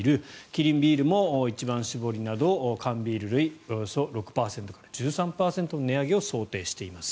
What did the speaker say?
キリンビールも一番搾りなど缶ビール類６％から１３％の値上げを想定しています。